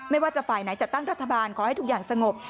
ไม่ว่าจะฝ่ายไหนจัดตั้งรัฐบาลขอให้ทุกอย่างสงบ